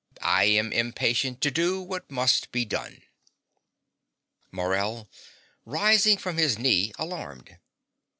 I am impatient to do what must be done. MORELL (rising from his knee, alarmed).